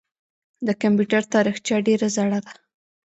د کمپیوټر تاریخچه ډېره زړه ده.